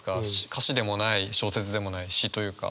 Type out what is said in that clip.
歌詞でもない小説でもない詩というか。